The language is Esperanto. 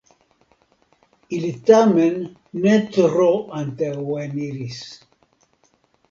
Ili tamen ne tro antaŭeniris.